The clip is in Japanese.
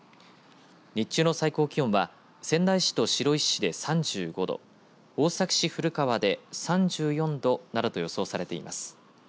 日中の最高気温は仙台市と白石市で３５度大崎市古川で３４度などと予想されています。